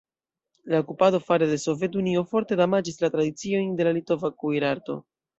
La okupado fare de Sovetunio forte damaĝis la tradiciojn de la litova kuirarto.